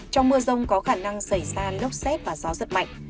trong mưa rông có khả năng xảy ra lốc xét và gió giật mạnh